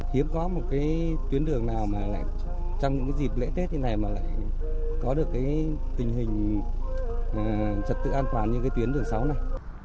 hiếm có một cái tuyến đường nào mà lại trong những cái dịp lễ tết như này mà lại có được cái tình hình trật tự an toàn như cái tuyến đường sáu này